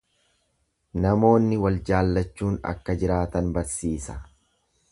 Namoonni wal jaallachuun akka jiraatan barsiisa.